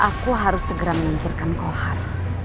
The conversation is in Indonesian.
aku harus segera menyingkirkan kohar